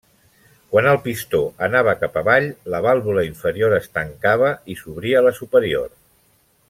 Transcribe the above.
Quan el pistó anava cap avall, la vàlvula inferior es tancava i s'obria la superior.